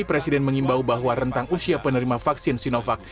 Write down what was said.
presiden mengimbau bahwa rentang usia penerima vaksin sinovac